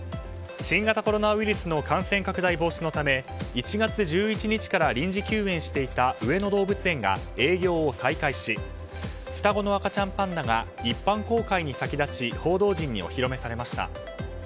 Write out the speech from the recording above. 新型コロナウイルスの感染拡大防止のため１月１１日から臨時休園していた上野動物園が営業を再開し双子の赤ちゃんパンダが一般公開に先立ち報道陣にお披露目されました。